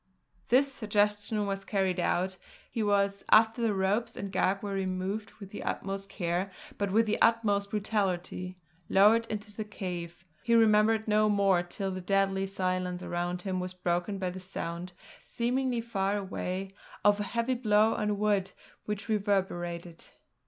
This suggestion was carried out; he was, after the ropes and gag were removed with the utmost care but with the utmost brutality, lowered into the cave. He remembered no more till the deadly silence around him was broken by the sound, seemingly far away, of a heavy blow on wood which reverberated.